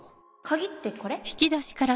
鍵ってこれ？